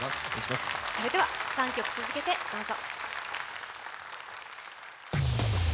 それでは３曲続けてどうぞ。